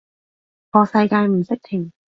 個世界唔識停